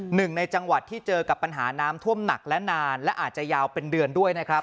หนึ่งในจังหวัดที่เจอกับปัญหาน้ำท่วมหนักและนานและอาจจะยาวเป็นเดือนด้วยนะครับ